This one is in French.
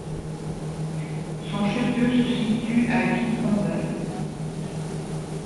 Son chef-lieu se situe à Guipronvel.